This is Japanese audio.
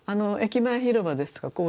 駅前広場ですとか